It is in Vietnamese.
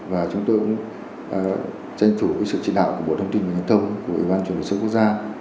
và chúng tôi cũng tranh thủ sự chỉ đạo của bộ thông tin và nhân thông của ủy ban chuyển đổi số quốc gia